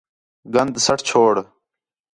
گند سَٹ چھوڑ